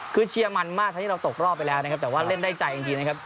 คือเชียร์มันมากเท่าที่เราตกรอบไปแล้วนะครับแต่ว่าเล่นได้ใจจริงนะครับ